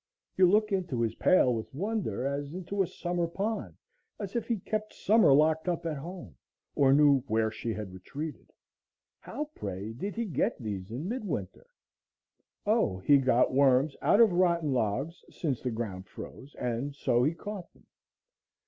You look into his pail with wonder as into a summer pond, as if he kept summer locked up at home, or knew where she had retreated. How, pray, did he get these in mid winter? O, he got worms out of rotten logs since the ground froze, and so he caught them.